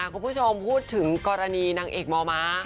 คุณผู้ชมพูดถึงกรณีนางเอกม้า